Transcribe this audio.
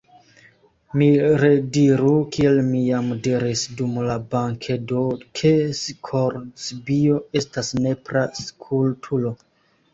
Mi rediru, kiel mi jam diris dum la bankedo, ke Skorzbio estas nepra stultulo.